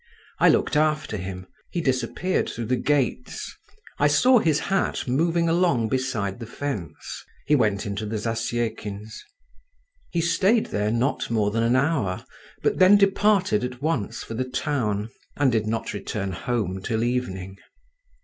I looked after him; he disappeared through the gates. I saw his hat moving along beside the fence; he went into the Zasyekins'. He stayed there not more than an hour, but then departed at once for the town, and did not return home till evening.